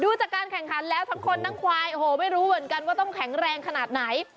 จากการแข่งขันแล้วทั้งคนทั้งควายโอ้โหไม่รู้เหมือนกันว่าต้องแข็งแรงขนาดไหน